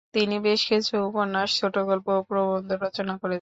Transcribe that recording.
তিনি বেশ কিছু উপন্যাস, ছোটগল্প ও প্রবন্ধ রচনা করেছেন।